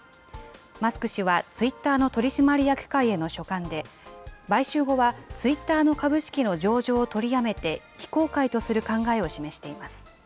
マスク氏はツイッターの取締役会への書簡で、買収後はツイッターの株式の上場を取りやめて、非公開とする考えを示しています。